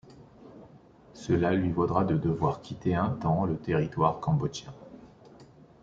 Cela lui vaudra de devoir quitter un temps le territoire cambodgien.